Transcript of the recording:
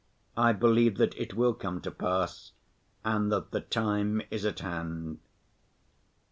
I believe that it will come to pass and that the time is at hand.